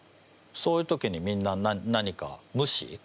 そういう時にみんな何か無視？